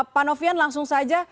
pak nofian langsung saja